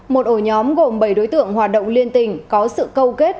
một ổ nhóm gồm bảy đối tượng hoạt động liên tình có sự câu kết